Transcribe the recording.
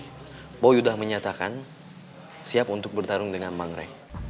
kau udah menyatakan siap untuk bertarung dengan bang rey